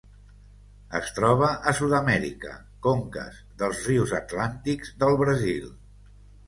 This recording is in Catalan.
Es troba a Sud-amèrica: conques dels rius atlàntics del Brasil.